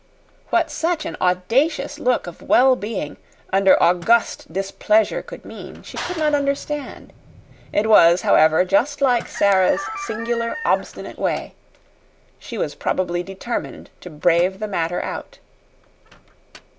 What such an audacious look of well being, under august displeasure could mean she could not understand. It was, however, just like Sara's singular obstinate way. She was probably determined to brave the matter out.